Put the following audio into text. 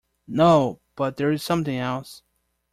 No, but there is something else.